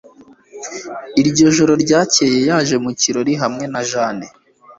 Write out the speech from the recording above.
Ijoro ryakeye yaje mu kirori hamwe na Jane